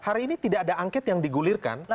hari ini tidak ada angket yang digulirkan